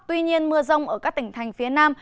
tuy nhiên mưa rông ở các tỉnh thành phía nam